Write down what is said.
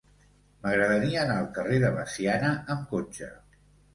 M'agradaria anar al carrer de Veciana amb cotxe.